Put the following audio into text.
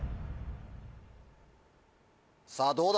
さぁどうだ？